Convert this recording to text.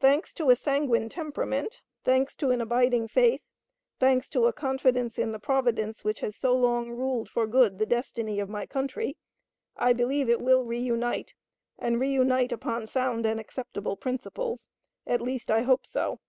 Thanks to a sanguine temperament, thanks to an abiding faith, thanks to a confidence in the Providence which has so long ruled for good the destiny of my country, I believe it will reunite, and reunite upon sound and acceptable principles. At least, I hope so.